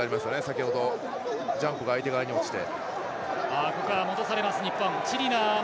先ほどジャンプが相手側に落ちて。